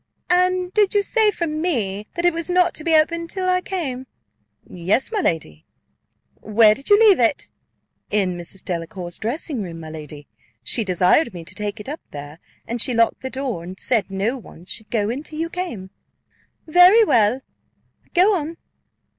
"And did you say from me, that it was not to be opened till I came?' "Yes, my lady." "Where did you leave it?" "In Mrs. Delacour's dressing room, my lady: she desired me to take it up there, and she locked the door, and said no one should go in till you came." "Very well go on.